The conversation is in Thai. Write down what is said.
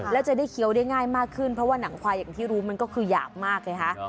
แล้วจะได้เคี้ยวได้ง่ายมากขึ้นเพราะว่าหนังควายอย่างที่รู้มันก็คือหยาบมากไงคะ